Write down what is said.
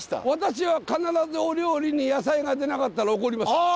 私は必ずお料理に野菜が出なかったら怒ります。